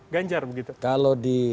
ganjar begitu kalau di